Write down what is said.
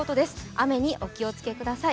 雨にお気をつけください。